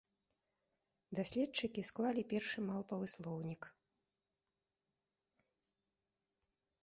Даследчыкі склалі першы малпавы слоўнік.